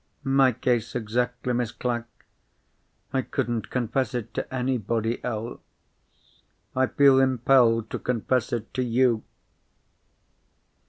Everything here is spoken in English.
My case exactly, Miss Clack! I couldn't confess it to anybody else. I feel impelled to confess it to _you!